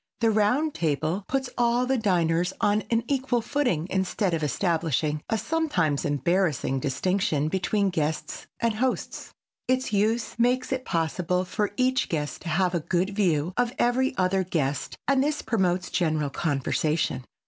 The round table puts all the diners on an equal footing instead of establishing a sometimes embarrassing distinction between guests and hosts. Its use makes it possible for each guest to have a good view of every other guest and this promotes general conversation.